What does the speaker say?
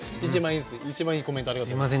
一番いいコメントありがとうございます。